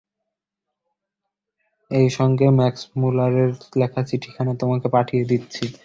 এইসঙ্গে ম্যাক্সমূলারের লেখা চিঠিখানা তোমাকে পাঠিয়ে দিচ্ছি।